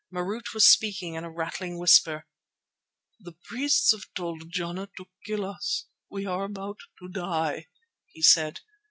Marût was speaking in a rattling whisper: "His priests have told Jana to kill us; we are about to die," he said.